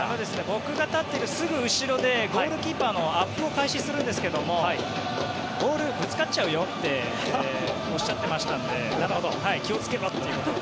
僕が立っているすぐ後ろでＧＫのウォーミングアップを開始するんですがボールぶつかっちゃうよっておっしゃってましたので気をつけろと。